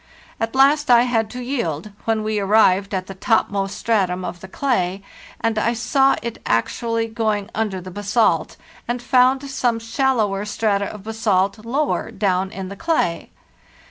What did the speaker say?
At last I had to yield, when we arrived at the topmost stratum of the clay and I saw it actually going under the basalt, and found some shallower strata of basalt lower down in the clay.